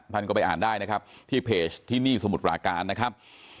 ท่านก็ไปอ่านได้นะครับที่เพจที่นี่สมุทรปราการนะครับ